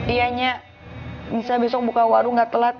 iya nya nisa besok buka warung gak telat